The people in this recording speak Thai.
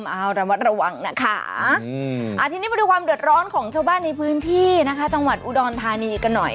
เอาระมัดระวังนะคะทีนี้มาดูความเดือดร้อนของชาวบ้านในพื้นที่นะคะจังหวัดอุดรธานีกันหน่อย